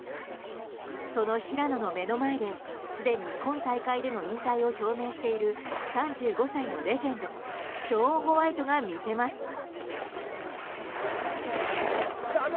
その平野の目の前ですでに今大会での引退を表明している３５歳のレジェンドショーン・ホワイトが見せます。